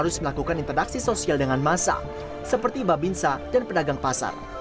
harus melakukan interaksi sosial dengan massa seperti babinsa dan pedagang pasar